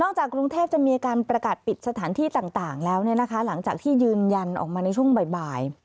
จากกรุงเทพจะมีการประกาศปิดสถานที่ต่างแล้วหลังจากที่ยืนยันออกมาในช่วงบ่าย